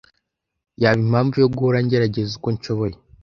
Yaba impamvu yo guhora ngerageza uko nshoboye.